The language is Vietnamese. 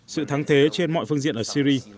sự thắng thế trên mọi phương diện ở syri